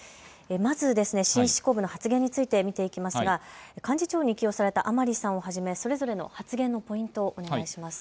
まずですね、新執行部の発言について見ていきますが幹事長に起用された甘利さんをはじめ、それぞれの発言のポイントをお願いします。